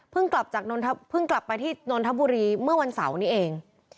กลับจากเพิ่งกลับไปที่นนทบุรีเมื่อวันเสาร์นี้เอง